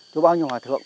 chùa bao nhiêu hòa thượng